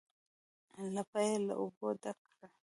لپه یې له اوبو ډکه کړه.